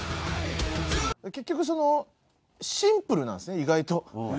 結局そのシンプルなんですね意外と。